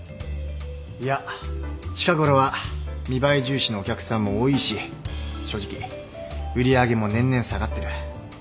いや近ごろは見栄え重視のお客さんも多いし正直売り上げも年々下がってる。